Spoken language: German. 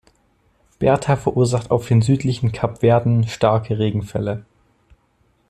Bertha verursachte auf den südlichen Kapverden starke Regenfälle.